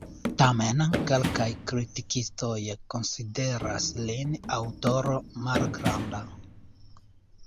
Tamen kelkaj kritikistoj konsideras lin aŭtoro malgranda.